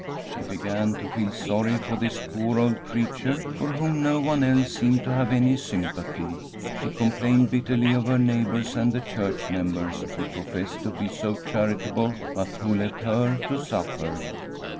She began to feel sorry for this poor old creature, for whom no one else seemed to have any sympathy. She complained bitterly of her neighbours and the church members who professed to be so charitable, but who left her to suffer.